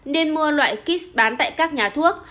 nên mua loại kit bán tại các nhà thuốc